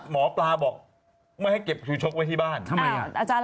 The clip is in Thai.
หมอปลาบอกไม่ให้เก็บคือชกไว้ที่บ้านทำไมอ่ะอาจารย์